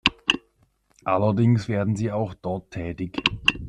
Allerdings werden sie auch dort tätig.